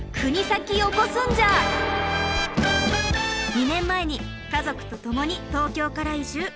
２年前に家族と共に東京から移住。